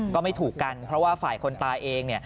ก็ไม่ถูกกันเพราะว่าฝ่ายคนตายเอง